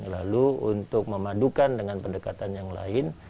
lalu untuk memadukan dengan pendekatan yang lain